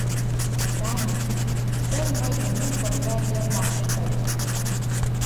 — Даник, тый мый денем пырля ер марте кает.